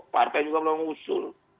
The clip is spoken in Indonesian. pak arpe juga belum usul